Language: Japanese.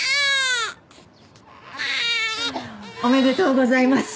おめでとうございます。